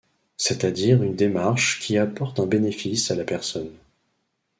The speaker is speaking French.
C’est-à-dire une démarche qui apporte un bénéfice à la personne.